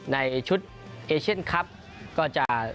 ในชุดเอเชียนครับก็จะ